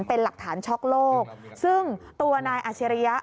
เป็นหลักฐานช็อกโลกซึ่งตัวนายอาชิริยะ